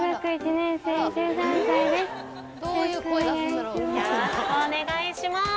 よろしくお願いします。